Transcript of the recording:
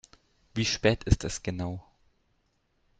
Wie spät ist es genau?